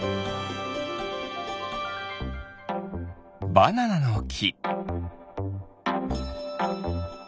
バナナのき。